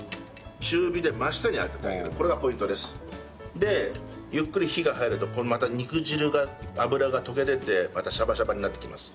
でゆっくり火が入るとまた肉汁が脂が溶け出てまたシャバシャバになってきます。